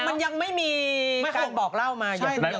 มันยังไม่มีการบอกเล่ามาเยอะ